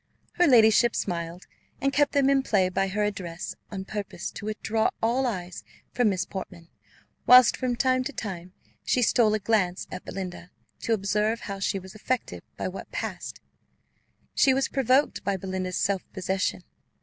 Her ladyship smiled, and kept them in play by her address, on purpose to withdraw all eyes from Miss Portman, whilst, from time to time, she stole a glance at Belinda, to observe how she was affected by what passed: she was provoked by Belinda's self possession.